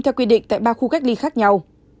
theo quy định tại ba khu cách ly khác nhau